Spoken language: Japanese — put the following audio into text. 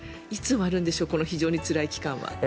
いつ終わるんでしょうこの非常につらい期間は。